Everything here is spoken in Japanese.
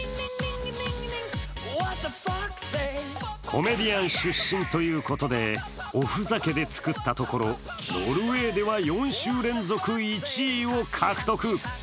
コメディアン出身ということでおふざけで作ったところ、ノルウェーでは４週連続１位を獲得。